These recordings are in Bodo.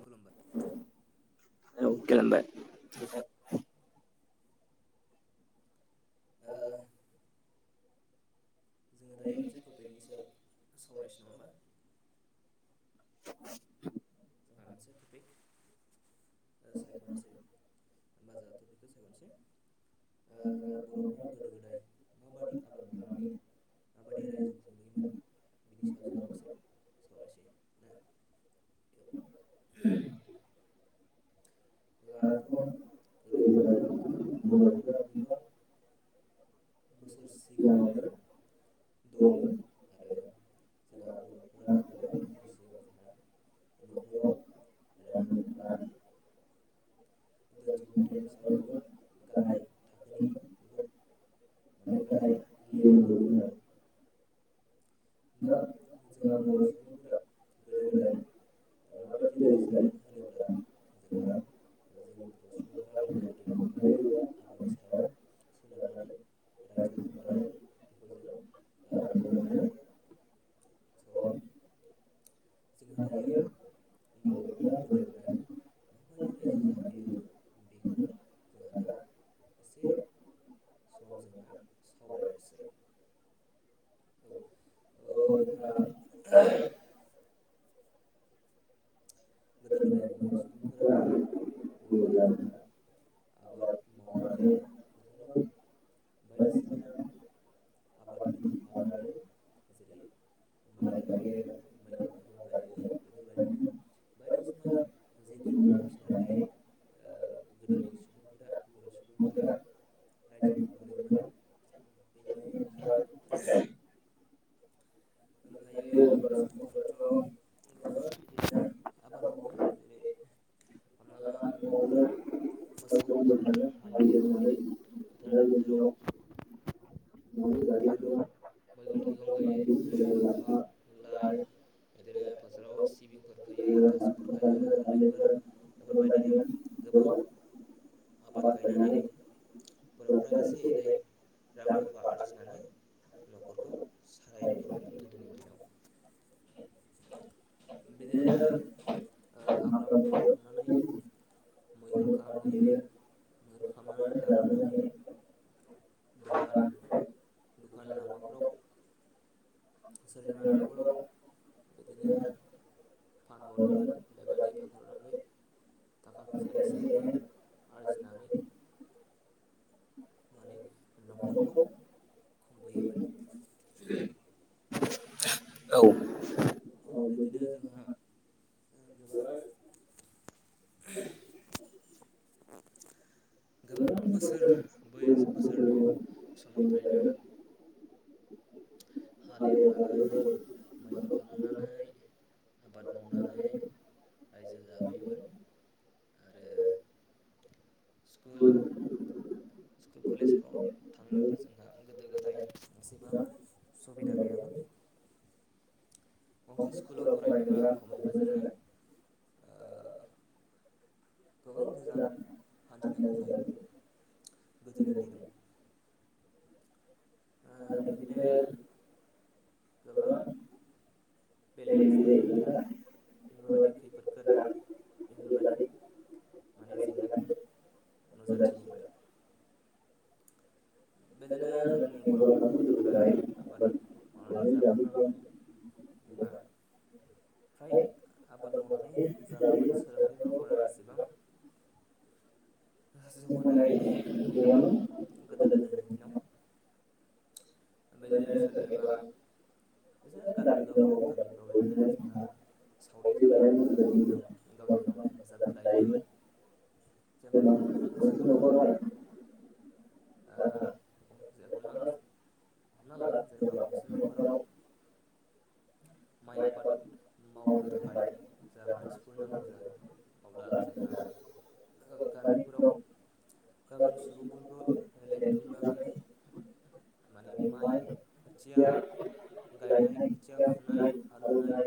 खुलुमबाय ओ [unintelligible] जोंङो दायो मोनसे टपिकनि सायाव सावरायसै नङा होमबा [inaudible] [unintelligible] [unintelligible] जोंहा बर'फ्रा गोदो गोदाय माबादि आबाद मावनानै माबादि रायजो खुंबोयोमोन बिनि सायाव ज दसे सावरायसेै दा [inaudible] दाथ' गोदो गोदाय बर'फोरा गोबां बोसोर सिगाङावनो दङमोन आरो जोंहा बर'फोरा गोबां बोसोर सिगां जोंहा नखराव रां रुफा [inaudible] धोन समथनि सायाव बुहुत गाहाय थाखोनिमोन बहुद माने गाहाय लेभेलनिमोन आरो [inaudible] दा जोंहा बर' सुबुंफोरा गोदो गोदाय माबायदि रायजो जायो होनोब्ला जोंहा जोंनि बर' सुबुंफ्रा गोदो गोदायनिफ्रायनो जों आबादनि सायाव सोनारनानै रायजो खुंबोनाय बेखौ जों नुनो मोनो सम [unintelligible] माबाददि रायजो जाबोयो बेखौ जोंहा दा एसे सम जोंहा सावरायनोसै [unintelligible] गोदो गोदाय बर' सुबुंफोरा बुंङोब्ला जोंहा आबाद मावनानै फोसावनाव बायदिसिना आबाद खेथि खालामनानै जेरै माइ गायो मैगं थाइगं गायो बेफोरबायदिनो बायदिसिना जिब जुनार फिसिनानै गोदोनि सुबुंफोरा बर' सुबुंफोरा रायजो खुंबोदोंमोन। बेनिफ्राय ओमफ्रायो बर' सुबुंफोराथ' गोबां बिदिनो आबाद मावो जेरै हमना ला न'आवनो मोसौ मैसाजों हालेवनानै फोथार गेजेराव बारिफोराव मैगं थाइगं गायो [unintelligible] जेरै लाफा लाइ बिदिनो बोथोराव सिबिंफोर फैयो थास'फोर गायो हालदैफोर बेफोरबायदिनो गोबां [unintelligible] आबाद गायनानै बर'फ्रा एसे एनै रां रुफा आरजिनानै न'खरखौ सालाय गोदोनि दिनाव [inaudible] बिदिनो [unintelligible] ओ हाग्रा बंग्रायाव थांनानै मैहुर खालामहैयो मैहुर खालामनानै लाबोनानै दखान दखान लामाफ्राव सोरनिबा न'खराव बिदिनो [unintelligible] फानहरोमोन बेबायदि फानहरनानै थाखा फैसा एसे एनै आरजिनानै नानै न'खरखौ खुंबोयोमोन [unintelligible] औ बेदिनो जोंहा गोबां [unintelligible] [unintelligible] गोबां बोसोर बैस बोसोरनि समनिफ्रायनो हालेवनानै मैहुर खालामनानै आबाद मावनानै रायजो जबोयोमोन आरो स्कुल [unintelligible] स्कुल कलेजफ्राव थांनोबो जोंहा गोदो गोदाय एसेबां सुबिदा गैयामोन। गंसे स्कुलाव फरायनोबा खमैबो जोङो ओ गोबां गोजान हान्थिनांगौ जायोमोन गोदोनि दिनाव। ओ बिदिनो [unintelligible] गोबां बेले बेजे हेंथा [unintelligible] बेफोरबायदि खैफोद गोनां बेफोरबायदि माने जेंनाफोर नुजाथियोमोन। बेदिनो जोंनि बर'फ्राथ' गोदो गोदाय आबाद मावनानै जाबोग्राबहाय ना फ्राय आबाद मावनानै जाबोयमोन सोलोंथाइफ्राव बारा एसेबां [inaudible] जौगानाय गैयामोन गोदो गोदायनि दिनाव। बिदिनो [unintelligible] सोरनिबा बा बिदिनो गामि गावब गाव गामिफ्राव बिदिनो जोंहा सावरि जालायोमोन गोदोनि दिनाव गावजों गाव हेफाजाब होलायोमोन। जेनेबा गंसे न'खराव [unintelligible] ओ हमना [unintelligible] हमना ला जेनेबा गंसे न'खराव माइ आबाद मावनो थाखाय जा मानसिफोर नांगौ जायो [unintelligible] अब्ला जों गामिफोराव गामिनि सुबुंफोरखो लेंथुमनानै माने माइ खोथिया [unintelligible] गायनाय, खोथिया फुनाय, हालौनाय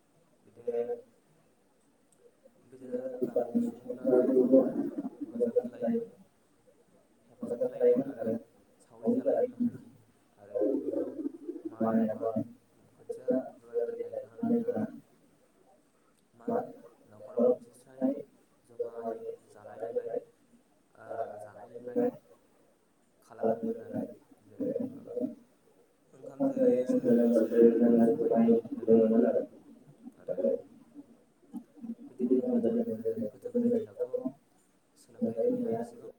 [unintelligible] बिदिनो गामिनि सुबुंफ्रा ज' ज' हेफाजाब होलायोमोन। हेफाजाब होलायोमोन आरो सावरि जालायोमोन आरोखि आरो बिदिनो माइ आबाद खोथिया बेफोरबायदि गायखांनानै, जोंहा मा न'खराव खनसे स्राय जमायै जानाय-लोंनाय ओ जानाय-लोंनाय खालामोमोन आरो जेरै [unintelligible] ओंखाम जायो, सोरोबा-सेरेब लोङो, जुमाय लोङोमोन आरोखि। आरो बिदिनो गोदो गोदाय गोदायनि दिनावथ' सोलोंथाइ होनाया एसेबां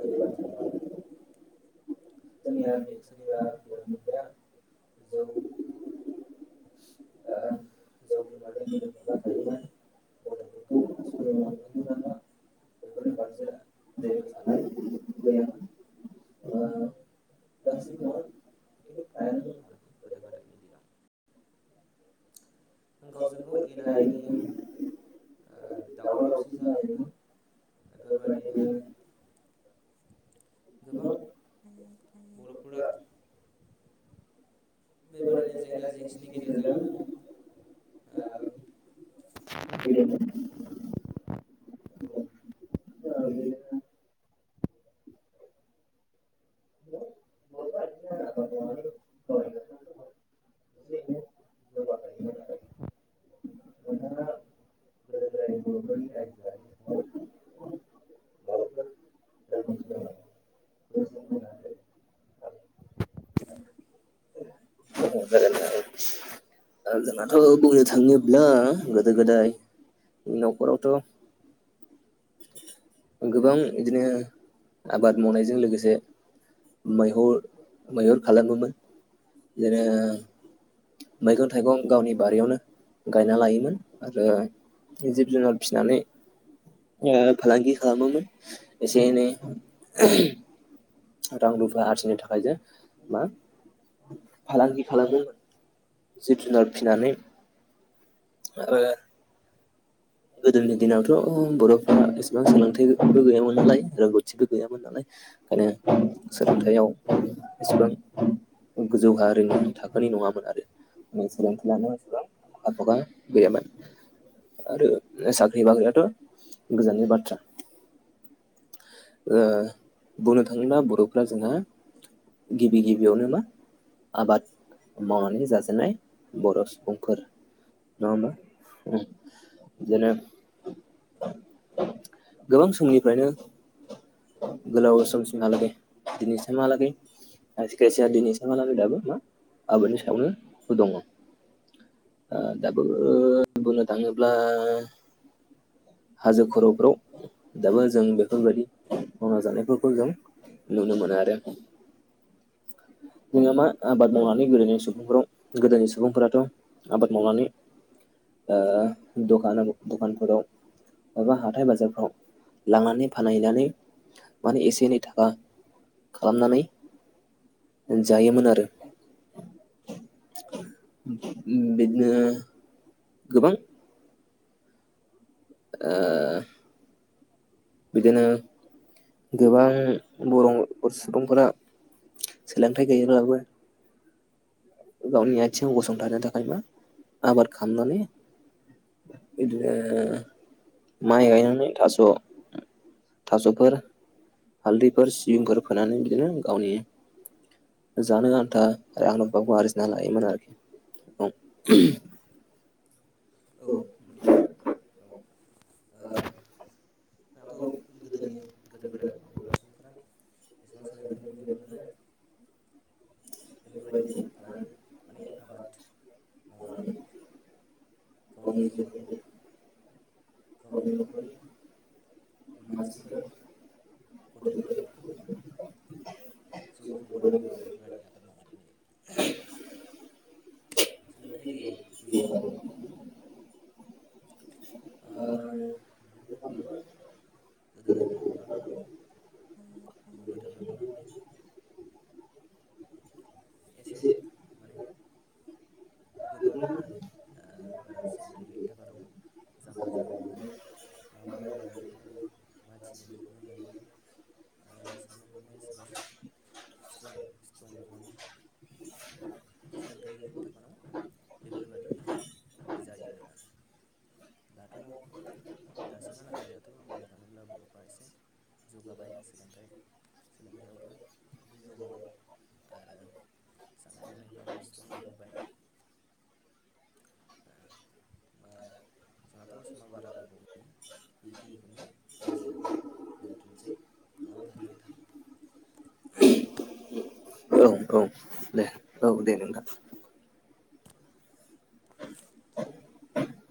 गोरलै बाथ्रा नङामोन। सोरनिया बि, सोरनिबा बिमा-बिफाया जौ आं जौ लोंनानै गोदोफबना थायोमोन। गथ'फोरखौ स्कुलाव लांनांगौ नामा बेफोरनि फारसे जेबो साननाय गैयामोन। गासिबो नङा खिन्थु फ्रायानोमोन गोदो-गोदायनि दिनाव। [inaudible] गावजों गाव एना एनि [inaudible] दावराव- दावसि जालायोमोन बेफोरबायदिनो गोबां बर'फोरा बेबादिनो जेंना जेंसिनि गेजेरजों [inaudible] फैदोंमोन औ [inaudible] बर'फ्रा [inaudible] ह [inaudible] [inaudible] [inaudible] एसे-एनै जौगाहोयोमोन आरो। नोंथाङा गोदो-गोदाय बर'फोरनि रायजो जानायनि सायाव माबाफोर रोंगौथि दं नामा? होदो दे औ गोजोन्थों। जोंहाथ' बुंनो थाङोब्ला गोदो-गोदाय न'खराव थ' गोबां बिदिनो आबाद मावनायजों लोगोसे मैहुर खालामोमोन बिदिनो मैगं-थाइगं गावनि बारियावनो गायना लायोमोन आरो जिब-जुनार फिसिनानै फलांगि खालामोमोन एसे-एनै। रां-रुफा आरजिनो थाखाय, जों मा फालांगि खालामदोंमोन, जिब-जुनार फिसिनानै आरो गोदोनि दिनावथ' बर'फ्रा एसेबां सोलोंथाइ बो गैयामोन नालाय, रोंगौथिबो गैयामोन नालाय, ओंखायनो सोलोंथाइयाव एसेबां [inaudible] गोजौहा ओरैनो थाखोनि नङामोन आरो मोन सोलोंथाइ लानाय मानसिफ्रा आखा-फाखा गैयामोन आरो साख्रि-बाख्रियाथ' गोजाननि बाथ्रा। ओ बुंनो थाङोब्ला बर'फ्रा जोंहा गिबि गिबियावनो मा आबाद मावनानै जाजेननाय बर' सुबुंफोर नङा होमबा? उम [unintelligible] गोबां समनिफ्रायनो गोलाव समसिमहालागैय-दिनैसिहालागै। आजि खायसिया दिनैसिमहालागै दाबो मा आबादनि सायावनो दङ। आ दाबो बुंनो थाङोब्ला। हाजो खर'फ्राव दाबो जों बेफोरबायदि। मावना जानायफोरखौ जों नुनो मोनो आरो। [unintelligible] नोंङा मा आबाद मावनानै गोदोनि सुबुंफोराव गोदोनि सुबुंफोराथ' आबाद मावनानै। ओ दखानाव-दखानफोराव। एबा हाथाय बाजारफ्राव लांनानै फानहैनानै। माने एसे एनै थाखा खालामनानै। जायोमोन आरो। बिदिनो गोबां। [unintelligible] बिदिनो गोबां बरुं सुबुंफोरा। सोलोंथाइ गैयाब्लााबो। गावनि आथिङाव गसंथानो थाखाय मा आबाद खालामनानै। बिबदिनो माइ गायनानैनानै थास। थास'फोर हालदैफोर सिबिंफोर फोनानै बिदिनो गावनि। जानो जानथा आरो आल फाख आरेस। नालायोमोन आरो औ उम औ। औ-आ। दाथौ गोदोनि गोद बोरायफोरखौथ हाय। एसेबां सोलोंथाइबो गैयामोन नालाय। बेफोरबायदिनो फालांगि माने आबाद मावनानै। गावनि जिउफोरखौ। अबे नखरनि। मानसिफोर गथ' गथायफोरखौ माने। जिउ खुंबोदोंमोन आरो बेफोरबायादियाओ माबानिया। सोलोंथाइ गैयामोन गैयाबाबो। [unintelligible] बिदिनां गोबां। गोदोनि बर'फ्राथ' बुंनो थाङोब्ला। एसे माने। गोबाङानो आरो ओ बारा सोलोंथाइ गैयिनि थाखार दंमोन। जाम्बा जाम्बिमोन मा मावनांगौ बेखौ मावयि मा थिनो बेखौनो लायोमोन। ओ साननाय हनाया एसेबां इस्ट्रं- इस्ट्रं नङामोन [unintelligible] सोलोंथाइ गैयिनि थाखानाव बेफोरबायादि जायोमोन आरो। दाथ' दासिममहालागै दाथ' बुं मानोब्लाबो अफ्रा एसे जौगाबाय सोलोन्थाइ। सोलोंथाइयावबो जौगाबाय आरो। साननाय हनायफोराबो स्ट्रं जाबोबाय। जोंनाथ समया‌ बारा‌ गोबाव बेखिनिखौनो रायल्जायनानै‌ दोनथसै नंआ होनबा नोंथा। ओम औ औ दे औ दे नोंथां। औ